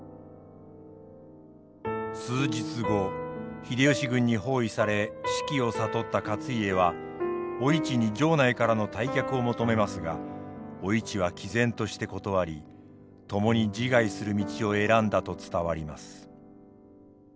数日後秀吉軍に包囲され死期を悟った勝家はお市に城内からの退却を求めますがお市はきぜんとして断り共に自害する道を選んだと伝わります。